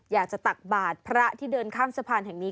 อยากจะตักบาดพระที่เดินคลื่นข้ามสะพานแห่งนี้